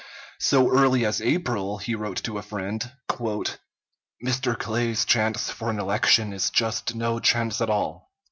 So early as April he wrote to a friend: "Mr. Clay's chance for an election is just no chance at all.